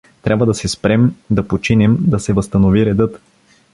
Трябва да се спрем, да починем, да се възстанови редът.